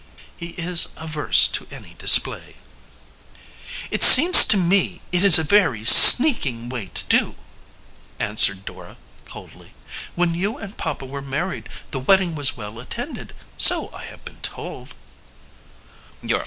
"He is averse to any display." "It seems to me it is a very sneaking way to do," answered Dora coldly. "When you and papa were married the wedding was well attended, so I have been told."